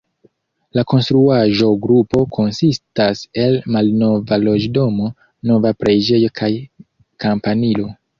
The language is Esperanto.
La konstruaĵo-grupo konsistas el malnova loĝdomo, nova preĝejo kaj kampanilo.